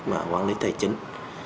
mà quản lý tài chính